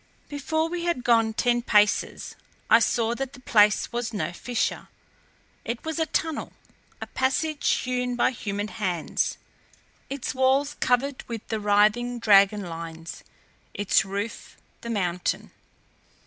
Before we had gone ten paces I saw that the place was no fissure. It was a tunnel, a passage hewn by human hands, its walls covered with the writhing dragon lines, its roof the mountain.